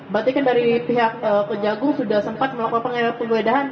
berarti kan dari pihak kejagung sudah sempat melakukan penggeledahan